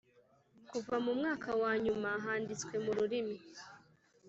kuva mu mwaka wa nyumahanditswe mu rurimi